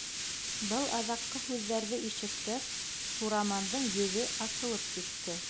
Был аҙаҡҡы һүҙҙәрҙе ишеткәс, Сурамандың йөҙө асылып китте.